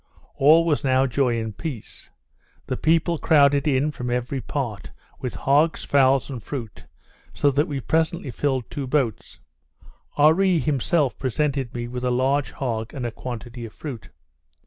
All was now joy and peace: The people crowded in, from every part, with hogs, fowls, and fruit, so that we presently filled two boats: Oree himself presented me with a large hog and a quantity of fruit.